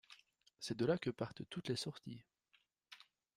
C’est de là que partent toutes les sorties.